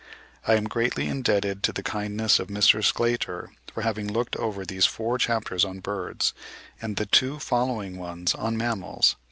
(57. I am greatly indebted to the kindness of Mr. Sclater for having looked over these four chapters on birds, and the two following ones on mammals.